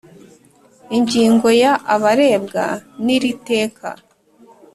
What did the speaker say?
Ingingo ya Abarebwa n iri teka